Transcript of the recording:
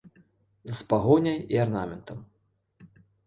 З пагоняй і арнаментам.